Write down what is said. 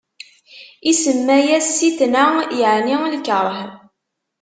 Isemma-yas Sitna, yeɛni lkeṛh.